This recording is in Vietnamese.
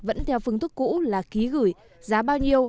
vẫn theo phương thức cũ là ký gửi giá bao nhiêu